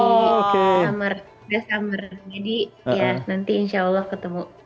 nanti insya allah ketemu